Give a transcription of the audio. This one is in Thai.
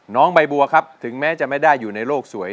น้องใบบัวครับถึงแม้จะไม่ได้อยู่ในโลกสวย